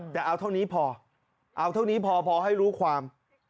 แต่เอาเท่านี้พอเอาเท่านี้พอให้รู้ความ